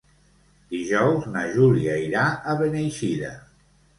Dijous na Júlia irà a Beneixida.